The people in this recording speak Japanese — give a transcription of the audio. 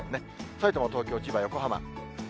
さいたま、東京、千葉、横浜。